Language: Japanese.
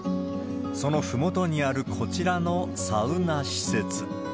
そのふもとにあるこちらのサウナ施設。